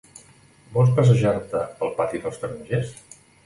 Vols passejar-te pel Pati dels Tarongers?